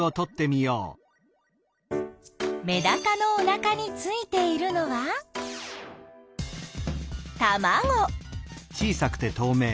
メダカのおなかについているのはたまご！